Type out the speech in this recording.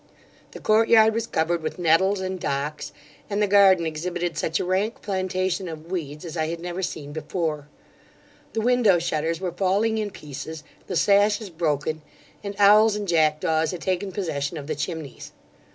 The court yard was covered with nettles and docks, and the garden exhibited such a rank plantation of weeds as I had never seen before; the window shutters were falling in pieces, the sashes broken; and owls and jack daws had taken possession of the chimnies.